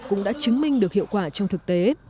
cũng đã chứng minh được hiệu quả trong thực tế